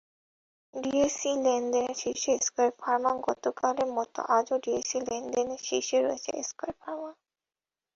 ডিএসইতে লেনদেনে শীর্ষে স্কয়ার ফার্মাগতকালের মতো আজও ডিএসইতে লেনদেনে শীর্ষে রয়েছে স্কয়ার ফার্মা।